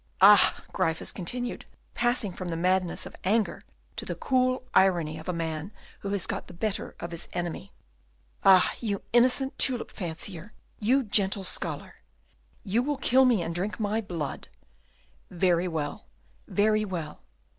"Ah!" Gryphus continued, passing from the madness of anger to the cool irony of a man who has got the better of his enemy, "Ah, you innocent tulip fancier, you gentle scholar; you will kill me, and drink my blood! Very well! very well!